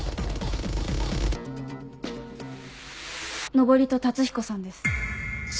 登戸龍彦さんです。